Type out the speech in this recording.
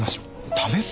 試す？